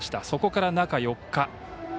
そこから中４日。